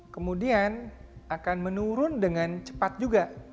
kemudian akan menurun dengan cepat juga